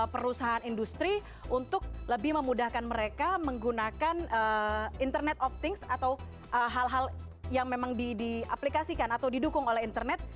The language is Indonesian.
perusahaan industri untuk lebih memudahkan mereka menggunakan internet of things atau hal hal yang memang diaplikasikan atau didukung oleh internet